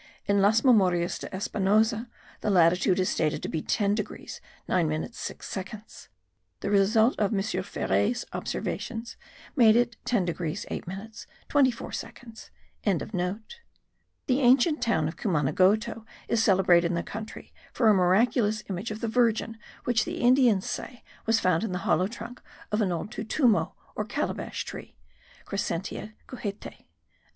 In Las Memorias de Espinosa the latitude is stated to be 10 degrees 9 minutes 6 seconds. The result of M. Ferrer's observations made it 10 degrees 8 minutes 24 seconds.) The ancient town of Cumanagoto is celebrated in the country for a miraculous image of the Virgin,* which the Indians say was found in the hollow trunk of an old tutumo, or calabash tree (Crescentia cujete).